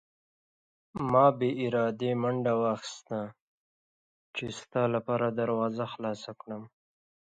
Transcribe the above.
ما بې ارادې منډه واخیسته چې ستا لپاره دروازه خلاصه کړم.